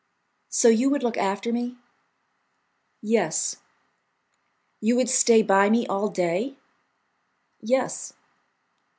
"So you would look after me?" "Yes." "You would stay by me all day?" "Yes.